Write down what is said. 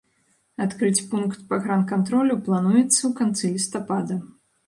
Адкрыць пункт пагранкантролю плануецца ў канцы лістапада.